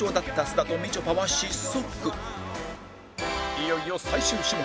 いよいよ最終種目